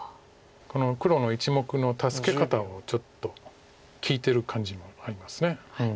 この黒の１目の助け方をちょっと聞いてる感じもあります。